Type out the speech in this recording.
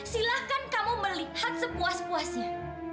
silahkan kamu melihat sepuas puasnya